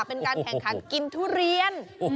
เป็นการแข่งขันกินทุเรียน